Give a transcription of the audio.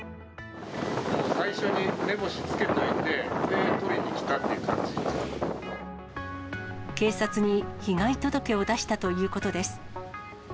最初に目星つけといて、警察に被害届を出したということです。